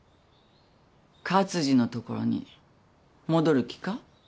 勝二のところに戻る気か？